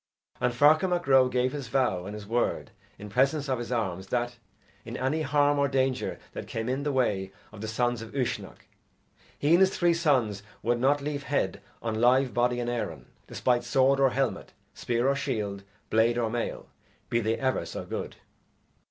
And Ferchar Mac Ro gave his vow and his word in presence of his arms that, in any harm or danger that came in the way of the sons of Uisnech, he and his three sons would not leave head on live body in Erin, despite sword or helmet, spear or shield, blade or mail, be they ever so good.